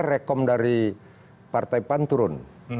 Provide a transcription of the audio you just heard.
rekom dari partai pan turun